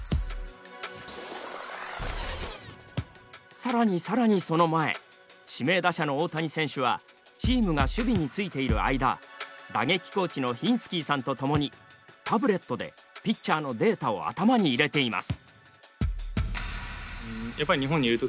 更に更にその前指名打者の大谷選手はチームが守備についている間打撃コーチのヒンスキーさんと共にタブレットでピッチャーのデータを頭に入れています。